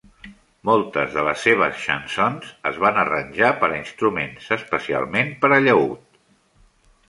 Moltes de les seves chansons es van arranjar per a instruments, especialment per a llaüt.